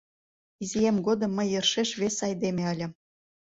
Изиэм годым мый йӧршеш вес айдеме ыльым...